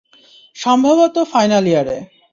সম্ভবত ফাইনাল ইয়ারে।